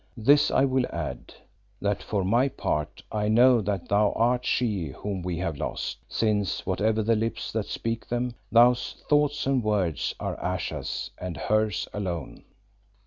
This I will add, that for my part I know that thou art She whom we have lost, since, whatever the lips that speak them, those thoughts and words are Ayesha's and hers alone."